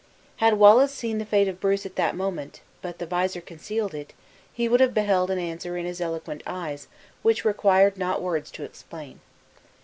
Had Wallace seen the face of Bruce at that moment, but the visor concealed it, he would have beheld an answer in his eloquent eyes which required not words to explain.